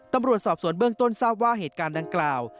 ตำรวจสอบสวนเบื้องต้นทราบว่าเหตุการณ์ดังกล่าว